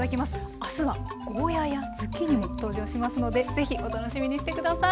明日はゴーヤーやズッキーニも登場しますのでぜひお楽しみにして下さい。